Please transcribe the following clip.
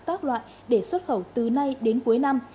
các loại để xuất khẩu từ nay đến cuối năm